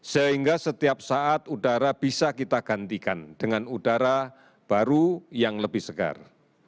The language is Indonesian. sehingga setiap saat udara bisa kita gantikan dengan udara baru yang lebih segar